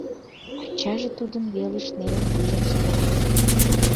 Ачаже тудын велыш нелын вуйжым савыра.